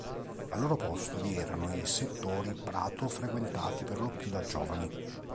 Al loro posto vi erano i settori "prato" frequentati per lo più da giovani.